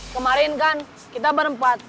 kemarin kan kita berempat